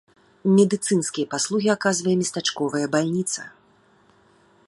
Медыцынскія паслугі аказвае местачковая бальніца.